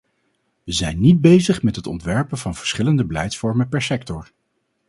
We zijn niet bezig met het ontwerpen van verschillende beleidsvormen per sector.